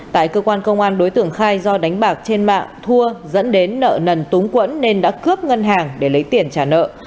tại cơ quan công an đối tượng khai do đánh bạc trên mạng thua dẫn đến nợ nần túng quẫn nên đã cướp ngân hàng để lấy tiền trả nợ